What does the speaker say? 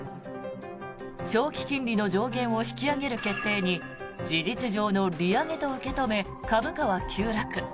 長期金利の上限を引き上げる決定に事実上の利上げと受け止め株価は急落。